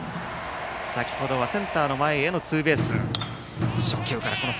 先程はセンター前へのツーベース。